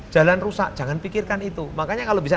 jalan rusak jangan pikirkan itu makanya kalau bisa